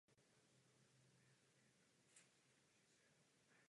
Na východě území městské části se nachází někdejší start a cíl starého Masarykova okruhu.